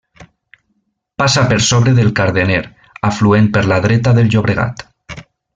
Passa per sobre del Cardener, afluent per la dreta del Llobregat.